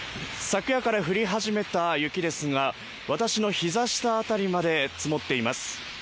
降り始めた雪ですが私のひざ辺りまで積もっています